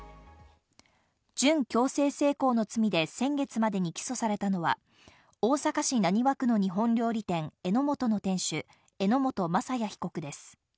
準強制性交の罪で先月までに起訴されたのは、大阪市浪速区の日本料理店・榎本の店主・榎本正哉被告です。